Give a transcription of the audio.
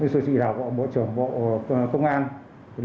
sự chỉ đạo của bộ trưởng bộ công an